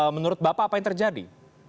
menurut bapak apa yang terjadi